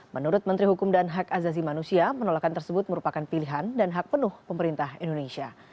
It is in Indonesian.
menurut menteri hukum dan hak azazi manusia penolakan tersebut merupakan pilihan dan hak penuh pemerintah indonesia